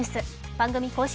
番組公式